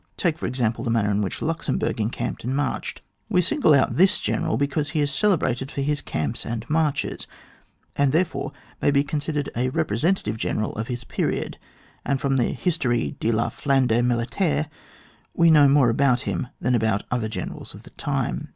Take for example the manner in which Luxemburg encamped and marched. We single out this general because he is celebrated for his camps and marches, and therefore may be considered a re presentative general of his period, and from the Hiitoire de la Flandre militaire, we know more about him than about other generals of the time.